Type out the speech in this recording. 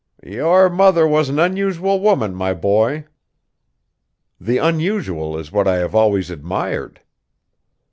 "Your mother was an unusual woman, my boy." "The unusual is what I have always admired."